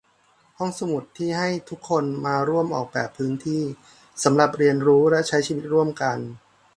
ห้องสมุดที่ให้ทุกคนมาร่วมออกแบบพื้นที่สำหรับเรียนรู้และใช้ชีวิตร่วมกัน